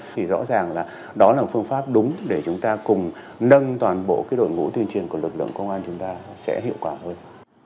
thì rõ ràng là đó là phương pháp đúng để chúng ta cùng nâng toàn bộ cái đội ngũ tuyên truyền của lực lượng công an chúng ta sẽ hiệu quả hơn